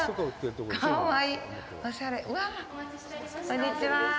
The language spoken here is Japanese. こんにちは。